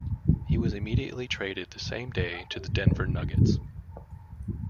He was immediately traded the same day to the Denver Nuggets.